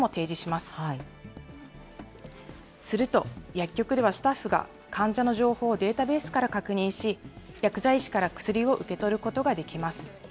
すると薬局ではスタッフが患者の情報をデータベースから確認し、薬剤師から薬を受け取ることができます。